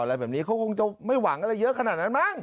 อะไรแบบนี้เขาคงจะไม่หวังอะไรเยอะขนาดนั้นมั้ง